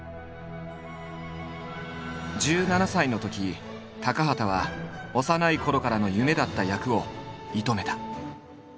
１７歳のとき高畑は幼いころからの夢だった役を射止めた。